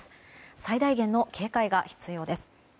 最大限の警戒が必要です。